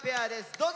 どうぞ！